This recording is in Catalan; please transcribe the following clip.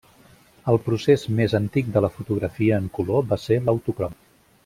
El procés més antic de la fotografia en color va ser l'autocrom.